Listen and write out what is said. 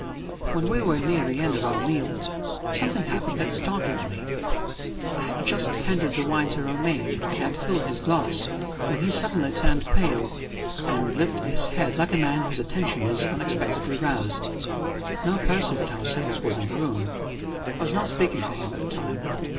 When we were near the end of our meal, something happened that startled me. I had just handed the wine to Romayne, and he had filled his glass when he suddenly turned pale, and lifted his head like a man whose attention is unexpectedly roused. No person but ourselves was in the room; I was not speaking to him at the time.